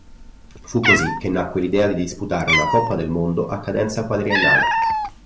Fu così che nacque l'idea di disputare una Coppa del Mondo a cadenza quadriennale.